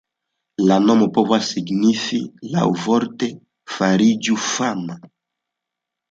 La nomo povas signifi laŭvorte "fariĝu fama".